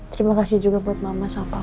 terima kasih juga buat mama sama papa